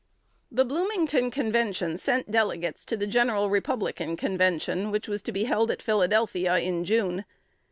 '" The Bloomington Convention sent delegates to the general Republican Convention, which was to be held at Philadelphia in June.